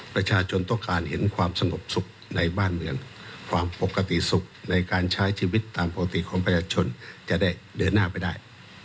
ประชาชนต้องการเห็นความสงบสุขในบ้านเมืองความปกติสุขในการใช้ชีวิตตามปกติของประชาชนจะได้เดินหน้าไปได้